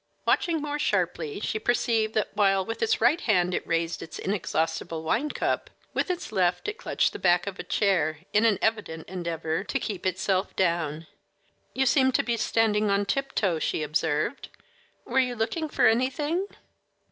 Watching more sharply, she perceived that while with its right hand it raised its inexhaustible wine cup, with its left it clung to the back of a chair in an evident endeavor to keep itself down. "You seem to be standing on tiptoe," she observed. "Were you looking for anything?"